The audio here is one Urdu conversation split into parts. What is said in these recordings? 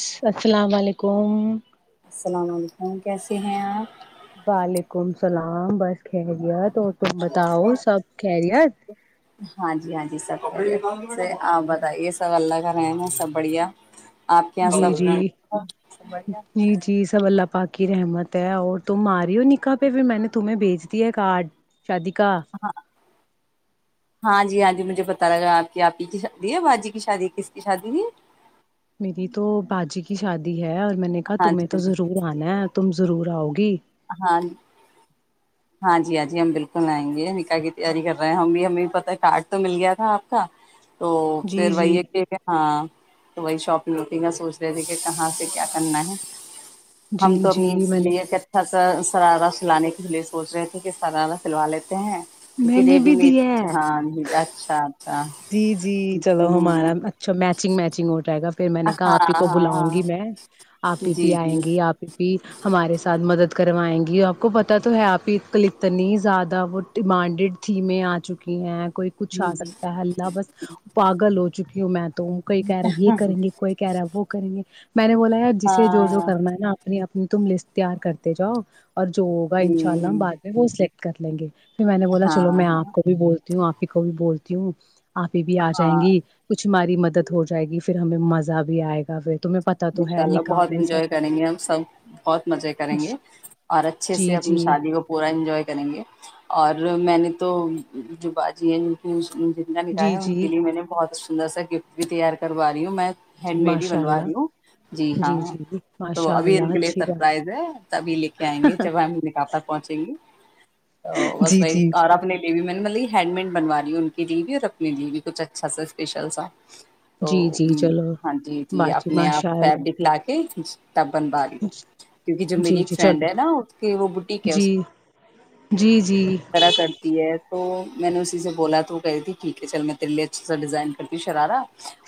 س السلام علیکم [unintelligible] کوم [unintelligible] السلام علیکم کیسے ہیں آپ وعلیکم السلام بس خیریت تم بتاؤ آپ سب خریت [unintelligible] ہاں جی ہاں جی سب آپ بتائیے یہ سب اللہ کا رہنا ہے سب بڑھیا آپ کے یہاں جی جی سب بڑھیا جی جی [unintelligible] سب اللہ پاک کی رحمت ہے اور تم آ رہی ہو نکاح پہ پھر میں نے تمہیں بھیج دییا کارڈ [unintelligible] ہاں ہاں جی ہاں جی [unintelligible] مجھے پتا لگا آپ کی آپ ہی کی شادی ہے باجی کی شادی کس کی شادی ہے [unintelligible] میری تو باجی کی شادی ہے اور میں نے کہا ہاں تمہیں جی تو ہاں جی ضرور آنا ہے تم ضرور [unintelligible] راؤ گی [unintelligible] ہاں ہاں جی ہاں جی ہم بالکل آئیں گے نکاح کی تیاری کر رہے ہیں ہم بھی ہمیں پتا ہے کارڈ تو مل گیا تھا آپ کا [unintelligible] تو جی پھر جی وہی ہے کہ کہ ہاں [unintelligible] تو وہی شاپ میں روکے گا سوچ رہے تھے کہ کہاں سے کیا کرنا ہے جی ہم تو جی اپنی اس میں نے لیے کہ [unintelligible] ا سرارہ سلانے کے لیے سوچ رہے تھے کہ سرارا سلوا لیتے ہیں کیونک میں نے ریڈی بھی مڈ دیا ہے ہاں اچھا [unintelligible] جی جی چلو ہوں ہمارا اچھا میچنگ میچنگ ہو جائے گا پھر میں نے کہا ہاں آپ ہی کو ہاں بلاؤں ہاں گی میں آپ ہی بھی جی آئیں جی گی آپ ہی [unintelligible] ہمارے ساتھ مدد کروائیں گی آپ کو پتہ تو ہے آپ ہی کل اتنی زیادہ وہ ڈیمانڈیڈ تھیمیں آ چکی ہیں [unintelligible] کوئی کچھ آ سکتا [unintelligible] تا حلہ بس پاگل ہو چکی [unintelligible] م [unintelligible] تو کوئی کہہ رہا ہے یہ کریں گے کوئی کہہ رہا ہے وہ کریں گے میں نے بولا یار جسے جو ہاں جو کرنا ہے نا اپنے آپ [unintelligible] تم لسٹ تیار کرتے جاؤ [unintelligible] اور جو ہوگا ان شاء اللہ ہم ہوں بع میں ہوسلے [unintelligible] کر لیں گے [unintelligible] پھر میں نے بولا ہاں چلو میں آ کو ہاں بھی بول وں آپ ہی کوبھی بول کیوں آپ بھی آ جائیں ہاں گی کچھ ہماری مدد ہو جائے گی پھر ہمیں مزہ بھی آئے گا پھر تمہیں پتا تو انشاء ہے اللہ نکاح بہت میں ہی انجوائے سب کریں گے ہم سب بہت مزے کریں گے اور اچھے سے جی جی اپنی جی شادی کو پورا انجوائے کریں گے اور میں نے تو جو بازی ہے جو کہ جنا لکھا جی ہے ان جی کے لیے میں نے بہت سندر سا گفٹ بھی تیار کروا رہی ہوں میں ہیڈ جی مری ماشاء بنوا اللہ رہی ہوں جی ہاں جی تو ماشاء ابھی ان اللہ کے لیے اچھی بات سرپرائز ہے تب لے کے آئیں گے جب ہم ہم نکا پر پہنچیں گے [inaudible] تو بس جی وہی جی اور اپنے لیےو میں نے ہینڈ مین بنا رہی ہے ان کے لیے بھی اور اپنے لیے بھی کچھ اچھا اسپیشل سا تو جی جی چلو ہاں جی جی باجی اپنے آپ ماشاء اللہ فیبرک لا کے تب بنوا لوں کیونکہ جو میری جی ایک جی فرینڈ چلو ہے نا اس کی وہ بٹیک ہے جی جی جی طرا کرتی ہے تو میں نے اسی سے بولا تو وہ کہہی تھی ٹھیک ہے چل میں تیرے لیے اچھا سا ڈیزائن کرتی ہوں شرارہ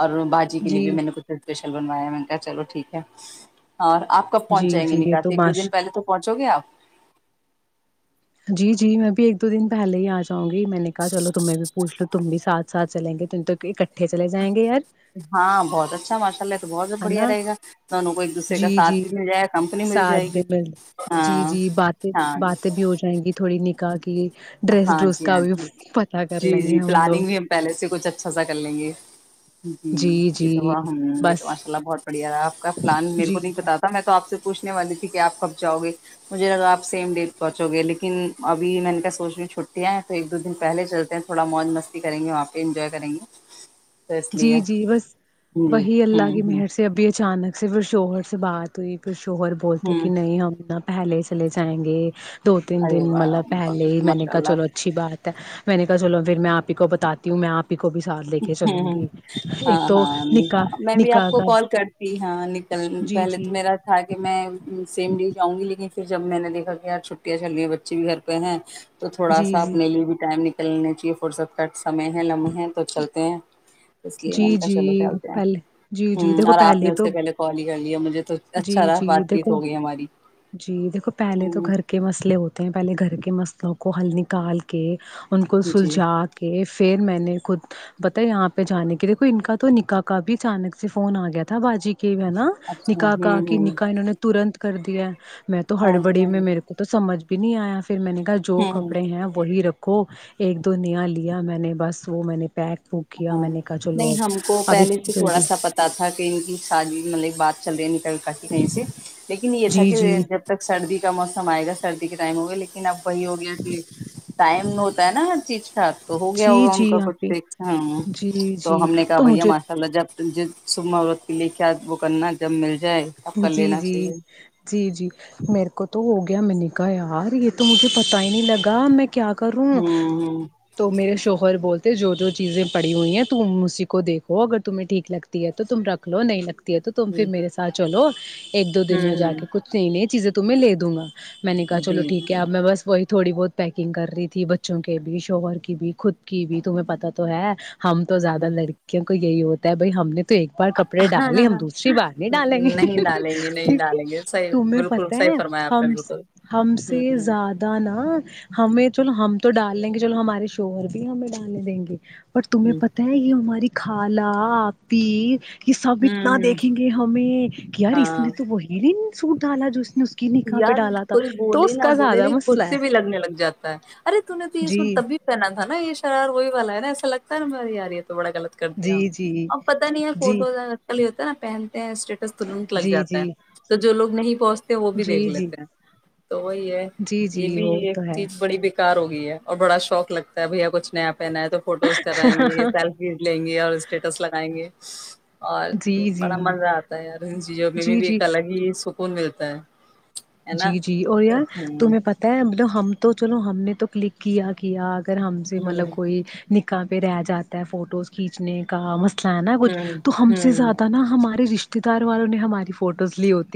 اور بھاجی لیے جی بھی میں نے کچھیش بنوایا میں کہ چلو ٹھیک ہے اور آپ کب جی پہنچائیں گے جی یہ نکاس تو ایک دو دن ماش پہے تو پہنچ پچو گپ جی جی میں بھی ایک دو دن پہلے ہی آج چاہںی میں نے کہ چلو تم میں بھی پوھ لو تو تم بھی ساتھ سات چلیںےم تو چلے جائیں گے یار ہاں بہت اچھا ماشاء اللہ تو بہت ہے بڑھیا نا رہے گا دونوں کو ایک دوسرے کا جی ساتھ جی بھی مل جائے گا کمپنی مل جائے ساتھ گی بھی مل جی ہاں جی باتیں ہاں ج باتیں بھی ہو جائیں گی تھوڑی نکاح کی ڈریس ہاں ڈریس جی کا ہاں بھی جی پتہ کر جی لیں گے جی ہم لوگ پلاننگ بھی ہم پہلے سے کچھ اچھا سا کر لیں گے جی جی یہ توب جی ہ یہ بس تو پڑیا رہا آپ کا پلان میرے جی کو نہیں بتاا میں تو آپ سے پوچھنے والی تھی کہ آپ کب جاؤ گے مجھے لگا آپ سیم ڈیٹ پہنچو گے لیکن ابھی میں نے کہ سوچی چھٹیاں ہیں تو ایک دو دن پہلے چلتے ہیں تھوڑا موج مستی کریں گے وہاں پہ انجوائے کریں گے تو اس جی لیے جی بس جی وہی اللہ ہوں کی ہوں مہر سے ابھی اچانک سے پھر شوہر سے بات ہوئی پھر جور بولتے کہ ہوں نہیں ہم [unintelligible] پہلے چلے جائیں گے دو تین ارے دن مطلب واہ پہلے ہی میں نے ماشاء کہا چلو اللہ اچھی بات ہے میں نے چلو پھر میں آپ ہی کو بتاتی ہوں میں آپ کو بھی ساتھ لے کے چلوں گی ہوں ہاں ایک تو ہاں نکاح میں بھی آپ نکاح کو کا کال کرتی ہاں نکل جی پہلے تو جی میرا تھا کہ میں سیم ڈے جاؤں گی لیکن پھر جب میں نے دیکھا کہ یار چھٹیاں چل رہی ہیں بچے بھی گھر پہ ہیں تو تھوڑا جی سا جی اپنے لیے بھی ٹائم نک کلنے چاہیے فرصت کامے ہے لمبحے توب چلتے ہیں اس لیے جی منتا جی چلو چلتے ہیں پہلے جی جی ہ دیکھو اور آپ نے اس تو سے پہلے کال ہی کر لیا مجھے تو جی اچھا رہا جی بات چیت دیکھو ہو گئی ہماری جی دیکھو پہلے تو ہوں گھر کے مسئلے ہوتے ہیں پہلے گھر کے مسلوں کو ہل نکال کے ان کو جی سلجھا کے پھر میں نے خود بتا یہاں پہ جانے کی دیکھو ان کا تو نکا کا بھی اچانک سے فون آ گیا تھا باجی کے کی نا اچھا ہوں نکا ہوں نکا انہوں نے تورا ند کرتی ہے [unintelligible] میں تو ہاں جی ہڑبڑی ہاں میں جی میرے کو تو سمجھ پ نہیں آیا پھر میں نے کہا جو ہوں کپڑے ہیں وہی رکھ کو ایک دو نیا لیا میں نے بس وہ میں نے پیک وک کیا ہاں میں نے کہا چلو نہیں اب ہم کو اب پہلے اتنی سے تھوڑا جلدی سا پتا تھا کہ ان کی شادی مطلب بات چ رہی ن [unintelligible] کای کہیں سے لیکن یہ تھا جی جی کہ جب تک سردی کا موسم آئےا سردی کے ٹائم ہوئے لیکن اب وہی ہو گیا کہ ٹائم ہوتا ہے نا ہر چیز ٹھاک تو ہو گیا جی ہوگا ان جی کا آپ کچھ ہی ہ جی تو جی ہم نے کہا تو بھیا مجھے ماشاء اللہ جب ج صبح عورت کے لیے کیا وہ کرنا جب مل جائے تب کر جی لینا جی چاہیے جی جی میرے کو تو ہو گیا میں نے کہا یار یہ تو مجھے پتا ہی نہیں لگا میں کیا کروں ہوں تو میرے شوہر بول جو جو چیزیں پڑی ہوئی ہیں تم اسی کو دیکھو اگر تمہیں ٹھیک لگتی ہے تو تم رکھ لو نہیں لگتا تو تم ہ پھر میرے سات چلو ایک دو دن میں جا ہوں کے کچھ نہیں نہیں چیزیں تمہیں میں لے دوں گا میں نے کہا ہوں چلو جی ٹھیک ہے جی اب میں بس وہی تھوڑی بہت پیکنگ کر رہی تھی بچوں کے بھی شوہر کی بھی خود کی بھی تمہیں پتتا تو ہے ہم تو زیادہ لڑکی یہی ہوتا ہے بھائی ہم نے تو تو ایک بار کپڑے ہاں ڈالیں ہاں ہم ہاں دوسری بار نہیں ڈالیں گے نہیں ڈالیں گے نہیں د ڈالیں گے صحیح تمہیں بالکل پتہ صحیح ہے فرمایا آپ نے ہم بالکل ہم سے ہوں ہوں زیادہ نا ہمیں چلو ہم تو ڈال لیں گے چلو ہمارے شوہر بھی ہمیں ڈالنے دیں گے پر تمہیں پتا ہے یہ ہماری خالہ آپی کہ سب ہوں اتنا ہوں دیکھیں گے ہمیں یار اس نے ہاں تو وہی سوٹ ڈالا نے اس کی نکاح پہ یار ڈالا تھا کوئی تو بولے اس نہ کا بولے زیادہ لیکن خش مسئلہ ہے سے بھی لگنے لگ جاتا ہے ارے ت نے تو یہ سوٹ جی تب بھی پہنا تھا نا یہ شرار وہی والا ہے ایسا لگتا ہے ار ممار یارہ ہے تو بڑا غط کر دیا ہم جی نے جی اب پتا نہیں ہے جی فوٹو نکلی ہو سا پہن اسٹیٹس ترنت لگ جی جاتا ہے جی تو جو لگ نہیں پہنچتے بھی جی دیکھ جی لیتے ہیں تو وہی ہے جی یہ جی بھی وہ ایک تو ہے چیز بڑی بک ار ہو گی ہے اور بڑا شوق لگتا ہے بھیا کچھ آپ پہن ہے تو فوٹوز کرائیں گے سیلفی لیں گے اور اسٹیٹس لگائیں گے اور جی جی بڑا مزہ آتا ہے ارون جی جو میں بھی ایک الگ ہی سکون ملتا ہے ت [inaudible] جی جی اور یار ہوں تمہیں پتہ ہے مطلب ہم تو چلو ہم نے تو کلک کیا کیا اگر ہم سے ہوں مطلب کوئی نکاح پہ رہ جاتا ہے فوٹوز کھینچنے کا مست ہے نا کچھ ہوں تو ہم سے ہوں زیادہ نا ہمارے رشتے سار والوں نے ہماری فوٹو [unintelligible]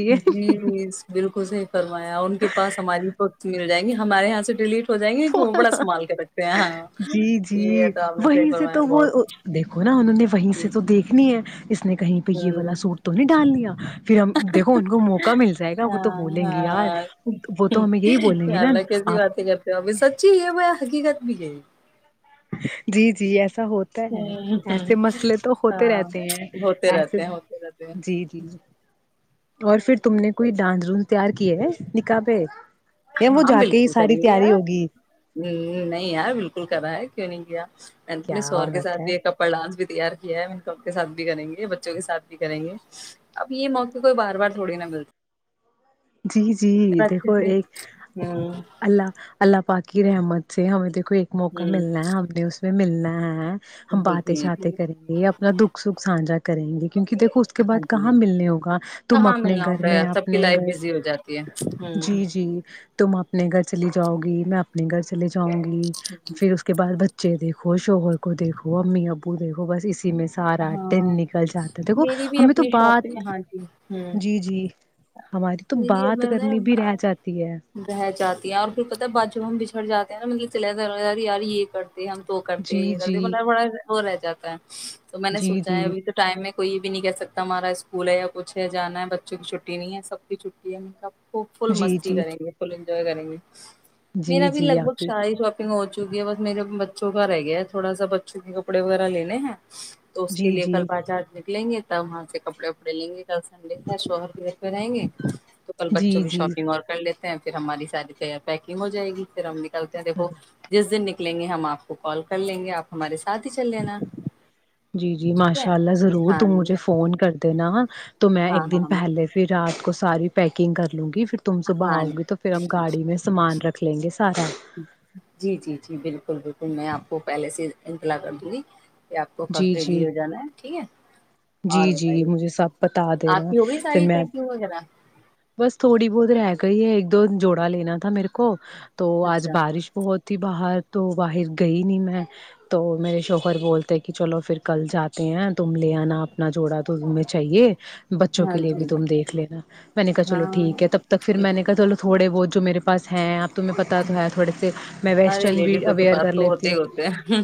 جی جی بالکل صحی کروایا اور ان کے پاس ہماری پ مل جائیں گی [unintelligible] ہمارے یہاں سے ڈیلیٹ ہو جائیں گے کہ وہ بڑا سنبھال کے رکھتے ہیں ہاں جی یہ جی تو آپ نے صحیح وہیں سے فرمایا تو وہ بہت دیکھو نا انہوں نے وہیں سے جی۔ تو دیکھنی ہے اس نے کہیں پہی یہ والا ہوں سوٹ تو نہیں ڈال لیا ہاں [inaudible] پھر ہم دیکھو ان کو موقع مل جائے گا وہ تو ہاں بولیں گی یار ہاں وہ تو ہمیں یہی بولیں گے نا آپ اب سچی یہ ہو [unintelligible] حقیقت بھی ہے جی جی ایسا ہوتا ہے ہوں ایسے ہوں مسئلے تو ہوتے ہاں رہتے ہیں ہوتے ایسے رہتے ہیں ہوتے رہتے ہیں جی جی اور پھر تم نے کوئی ڈانس ڈونس تیار کی ہے نکاح پہ یا وہ ہاں جا کے ہی بالکل ساری کریں گے تیاری یار ہوگی نہیں یار بالکل کرا ہے کی نہیں گیا [inaudible] کیا س کے سھ بات ہے بھی کپڑ ڈانس بھی [unintelligible] تیار کیا ہے ان ک کے ساتھ بھی کریں گے بچوں کے ساتھ بھی کریں گے اب یہ موقع کوئی بار بار تھوڑی نہ ملتی جی جی دیکھو ایک ہوں اللہ اللہ پاکی رحمت سے ہمیں تو کو ایک موقع ہوں ملنا ہے ہم نے اس میں ملنا ہاں ہاں ہاں ہم جی باتیں جی شاتیں جی کریں گے اپنا دکھ سکھ سانھا کریں گے [unintelligible] کیونکہ دیکھو اس کے ہاں بعد جی کہاں ہاں ملنے ہوگا تم کہاں اپنے ملنا گھر ہوتا ہے میں سب کی اپنے لائف گھر ہو جاتی ہے ہ [inaudible] جی جی تم اپنے گھر چلی جاؤ گی میں اپنے گھر چلے جا جاؤں گی پھر اس کے بعد بچ بچے دھو شوور کو دیکھو امی آبو دھو بس اس سارا ہاں دٹن نکل جاتا ہے دیکھو میری بھی ہمیں تو اپنی شاپنگ بات ہاں جی ہوں جی جی [unintelligible] ہماری تو میری بات کرنی بھی ا رہ جاتی ہے رہ جاتی ہ اور پھر کہتا ہے بج ہم بچھڑ جاتے [unintelligible] نا مطلب چلا رہ اریار یہ کر [unintelligible] ہم تو وہ کرتے جی یہ کرتے م جی بڑا وہ رہ جاتا ہے تو میں نے جی سوچا جی ہے ابھی تو ٹائم میں کوئی بھی نہیں کہہ سکتا ہمارا اسکول ہے یاچھ ہے جانا ہے بچوں کی چھٹی چٹی نہیں ہے سب کی چھٹی ہے م کب وہ فل جی مستی جی کریں گے فل انج کریں گے جی میرا بھی جی لگ بھگ آپی سا ہی شاپنگ ہو چکہ بس میرے بچوں کا رہ گیا ہے تھوڑا سا بچوں کے کپڑے وغیرہ لینے ہیں تو اس کے جی لیے جی کل باجادمی لیں گے تب وہاں سے کپڑے وپڑے لیں گے چل سنڈے ہے شوہر کے گ تو کل بچوں جی بھی جی شاپنگ اور کر لیتے ہیں پھر ہماری ساری تی پیکنگ جائے گی پھر ہم ن دھو جس دن لیں گے ہم آپ کو کال کر لیں گے آپ ہمارے ساتھ ہی چل لینا جی جی ٹھیک ہے ماشاء اللہ یہ ضرور ہاں تم مجھے فون کر دینا تو میں ہاں ایک دن ہاں میں پہلے پھر رات کو ساری پیکنگ کر لوں گی تم صبح ہاں آؤ گی تو پھر ہم گاڑی میں سامان رکھ رکھ لیں گے سارا جی جی جی بالکل بالکل میں آپ کو پہلے سے انتلا کر دوں گی کہ آپ کو جی جی خریدی ہو جانا ہے ٹھیک ہے جی اور جی بتائیے مجھے سب بتا آپ دینا کی ہو گئی پھر ساری میں پیکنگ و را بس تھوڑی بہت رہ گئی ہے ایک دو جوڑا لینا تھا میرے کو تو آج اچھا بارش بہت تھی باہر تو باہر گئی نہیں میں تو میرے شوہر بولتے کہ چلو پھر کل جاتے ہیں تم لے آنا اپنا جوڑا تو تمہیں چاہیے بچوں ہاں کے لیے جی بھی تم دیکھ لینا میں نے کہا چو ہاں ٹھیک ہے تب تک پھر میں نے کہا چلو تھوڑے بہ جو میرے پاس ہیں آ وٹر سارے لیڈیزوں کے پاس ا تو لی ہوتے ہ ہی ہوتے ہیں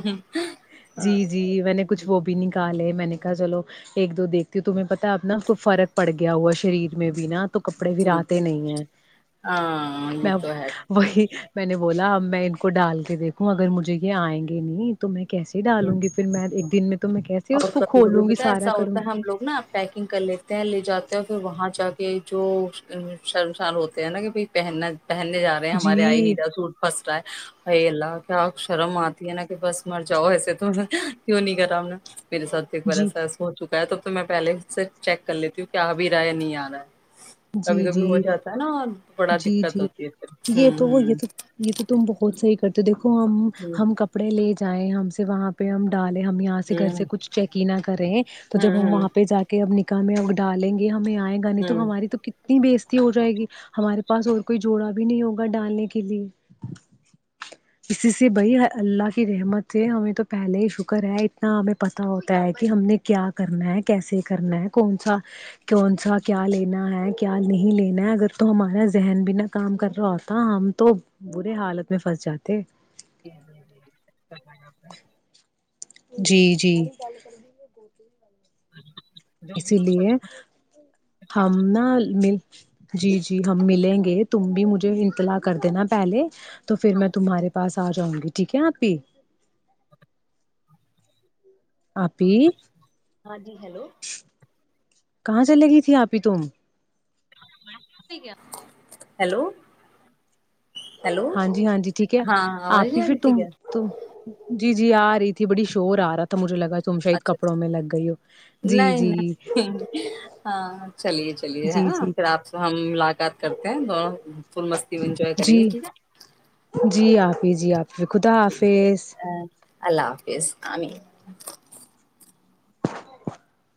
جی جیچ بھی میں نے کہا چلو ایک دو دیکتی ہوں تمہیں پتا اب ن فرق پڑ گیا ہوا شریر میں بھی نا تو کپڑے بھی جی رتے جی نہیں ہیں ہاں یہ میں تو ہے وہی میں نے بولا اب میں ان کو ڈال کے دیکھوں اگر مجھے یہ آئیں گے نہیں تو میں کیسے ڈالوں گی پھر میں ایک دن میں تو میں کیسے اس اور کو کبھی کبھی کھولوں گی پتا سارا ایسا کروں ہوتا ہے گی ہم لوگ نا پیکنگ کر لیتے ہیں لے جاتے پھر وہاں جا کے جو سرسان ہوتے ہیں نا کہ بھائی پہننا پہننے جا رہے ہیں ہمارے آئی جی نہیں سوٹ پھس ائی ال کیا کرماتتی ایناک بس مر جاؤ ایسے تو کیوں نہیں کرا ہم نے میرے سات بڑا جی ساس ہو چکا تب تو میں پہلے اس سے چیک کر لیتی ہوں کہ آ بھی رہا یا نہیں آ رہا ہے کبھی جی کبھی ہو جی جاتا ہے نا اور بڑا جی دقت جی ہوتی ہے پھر یہ تو یہ ہوں تو یہ تو تم بہت صحیح سر تو دیک ہم ہوں ہم کپڑے لے چاہیں ہم سے وہاں پہ ہم ڈال ہم یہاں سے ہوں گھر ہوں سے کچھ چیک نہ کرے ہیں تو ہوں جب ہوں ہم ہوں وہاں پہ جا کے اب نکل ہم ا ڈالیں گے ہم گانی تو ہوں۔ ہماری تو کتنی بیزتی ہو جائے گی ہمارے پاس اور کوئی جوڑا بھی نہیں ہوگا ڈالنے کے لیے اسی سے بھائی اللہ کی رحمت سے ہمیں تو پہلے ہی شکر ہے اتنا ہمیں پتا ہوتا ہے کہ ہم نے کیا کرنا ہے کیسے کرنا ہے کون سا کون سا کیا لینا ہے خیال نہیں لینا ہے اگر تو ہمارا ذہن بھینا کام کر رہا ہوتا ہم تو برے حالت میں پھنس جاتے [unintelligible] جی جی اسی لیے ہم نہ مل جی جی ہم ملیں گے تم بھی مجھے انتلا کر دینا پہلے تو پھر میں تمہارے پاس آ جاں گی ٹھیک ہے آپ پی آپی ہاں جی ہیلو کہاں چلے گئی تھی آپ ہی تم ہیلو ہیلو ہاں جی ہاں جی ٹھیک ہے ہاں آپ آواز نہیں ہی آ پھر رہی تھی تم کیا جی جی آ رہی تھی بڑی شیور آ رہا تھا مجھے لگا تم شاید اچھا کپڑوں میں لگ گئی ہو جی نہیں جی نہیں ہاں چلیے چلیے ہ جی جی پھر آپ سے ہم ملاقات کرتے ہیں دونوں فل مستی میں انجوائے کریں گے ٹھیک ہے پی جی آپ ٹھیک ہے ا اللہ حافظ عام [unintelligible] [unintelligible]